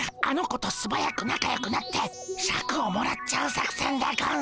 あの子とすばやくなかよくなってシャクをもらっちゃう作戦でゴンス。